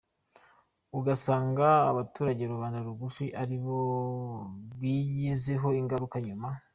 Ugasanga abaturage rubanda rugufi ari bo bigizeho ingaruka nyuma.